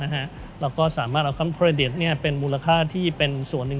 เราก็สามารถเอาคำเครดิตเป็นมูลค่าที่เป็นส่วนหนึ่ง